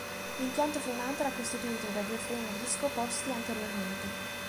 L'impianto frenante era costituito da due freni a disco posti anteriormente.